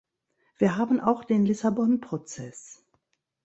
Wir haben auch den Lissabon-Prozess.